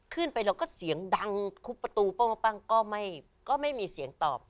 ขึ้นไปแล้วก็เสียงดังคุบประตูโป้งก็ไม่มีเสียงตอบ